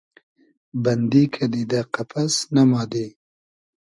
بئندی کئدی دۂ قئپس ، ئمادی